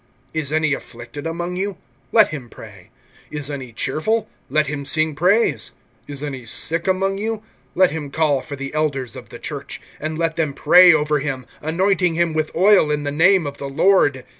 (13)Is any afflicted among you, let him pray. Is any cheerful, let him sing praise. (14)Is any sick among you, let him call for the elders of the church; and let them pray over him, anointing him with oil in the name of the Lord.